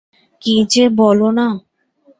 কী যে বলো না।